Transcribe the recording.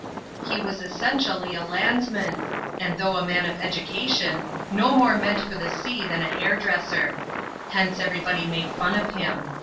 He was essentially a landsman, and though a man of education, no more meant for the sea than a hair dresser. Hence every body made fun of him.